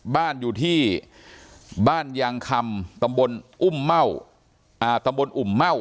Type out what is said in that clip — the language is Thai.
บ้านอยู่ที่บ้านยางคำตำบลอุ้มเม่าตำบลอุ่มเม่า